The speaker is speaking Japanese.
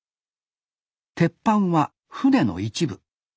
鉄板は船の一部。